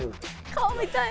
顔見たい！